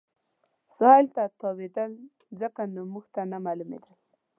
سهېل ته تاوېدل، ځکه نو موږ ته نه معلومېدل.